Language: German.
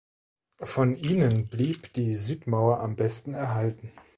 Von ihnen blieb die Südmauer am besten erhalten.